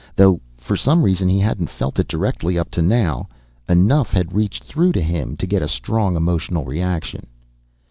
Though for some reason he hadn't felt it directly up to now, enough had reached through to him to get a strong emotional reaction.